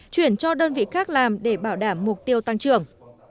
chuyển cho đơn vị khác làm để bảo đảm mục tiêu tăng trưởng